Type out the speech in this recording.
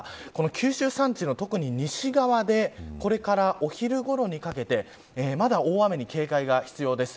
九州山地の特に西側でこれから、お昼ごろにかけてまた大雨に警戒が必要です。